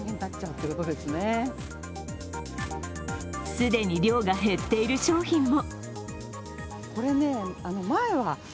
既に量が減っている商品も。